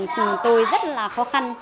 của tôi rất là khó khăn